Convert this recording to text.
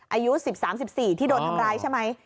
อายุ๑๓๑๔ที่โดนทำร้ายใช่ไหม